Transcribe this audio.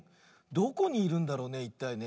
どこにいるんだろうねいったいね。